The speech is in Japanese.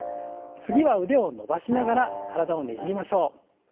次は腕を伸ばしながら体をねじりましょう。